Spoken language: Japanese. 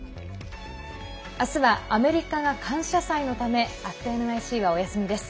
明日はアメリカが感謝祭のため「＠ｎｙｃ」はお休みです。